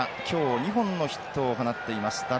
今日２本のヒットを放っています。